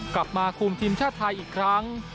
กลับมาคุมทีมชาติไทยอีกครั้ง